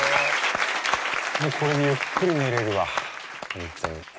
もうこれでゆっくり寝れるわ本当に。